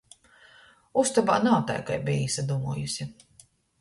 Ustobā nav tai, kai beju īsadūmuojuse...